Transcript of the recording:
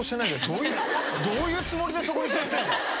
どういうつもりでそこに座ってんの？